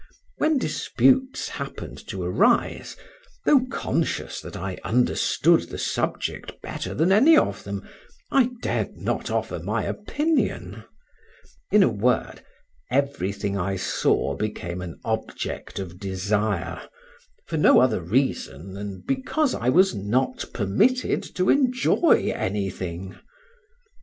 When disputes happened to arise, though conscious that I understood the subject better than any of them, I dared not offer my opinion; in a word, everything I saw became an object of desire, for no other reason than because I was not permitted to enjoy anything.